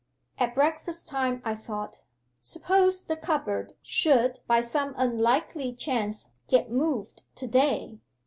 'At breakfast time I thought, "Suppose the cupboard should by some unlikely chance get moved to day!"